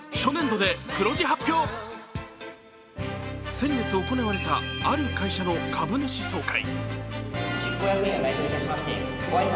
先月行われた、ある会社の株主総会。